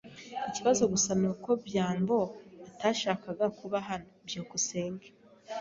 Ikibazo gusa nuko byambo atashakaga kuba hano. byukusenge